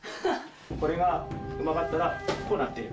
これがうまかったらこうなって。